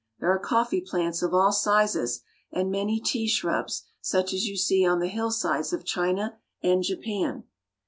There are coffee plants of all sizes, and many tea shrubs, such as you see on the hillsides of China and Japan.